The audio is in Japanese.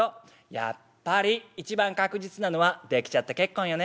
「やっぱり一番確実なのはできちゃった結婚よね」。